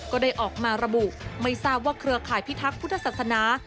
ก็ได้ออกมาระบุไม่ทราบว่าเครือข่ายพิทักษ์พุทธศาสนา